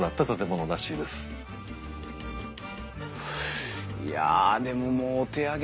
いやでももうお手上げだな。